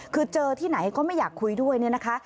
คือเจอที่ไหนก็ไม่อยากคุยด้วยเนี่ยนะคะ